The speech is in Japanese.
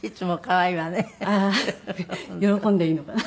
ああー喜んでいいのかな。